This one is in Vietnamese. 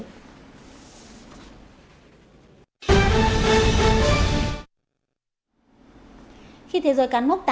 cảm ơn các bạn đã theo dõi và hẹn gặp lại